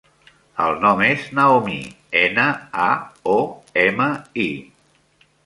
El nom és Naomi: ena, a, o, ema, i.